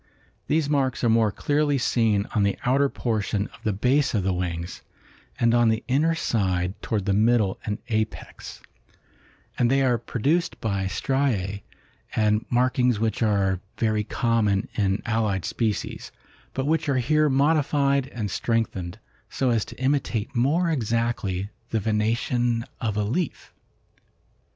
These marks are more clearly seen on the outer portion of the base of the wings and on the inner side toward the middle and apex, and they are produced by striae and markings which are very common in allied species, but which are here modified and strengthened so as to imitate more exactly the venation of a leaf.